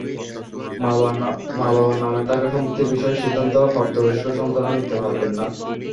মা-বাবার নামে থাকা সম্পত্তির বিষয়ে সিদ্ধান্ত প্রাপ্তবয়স্ক সন্তানেরা নিতে পারবেন না।